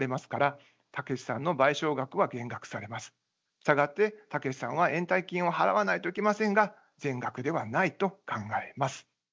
したがってタケシさんは延滞金を払わないといけませんが全額ではないと考えます。